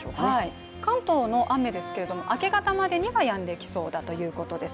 関東の雨ですけれども明け方までにはやんできそうだということです。